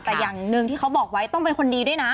แต่อย่างหนึ่งที่เขาบอกไว้ต้องเป็นคนดีด้วยนะ